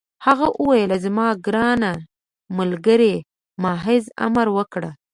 هغه وویل: زما ګرانه ملګرې، محض امر وکړه.